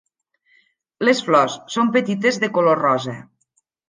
Les flors són petites de color rosa.